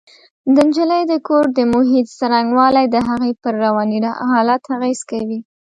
د نجلۍ د کور د محیط څرنګوالی د هغې پر رواني حالت اغېز کوي